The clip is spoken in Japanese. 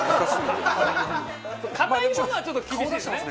硬いものはちょっと厳しいですね。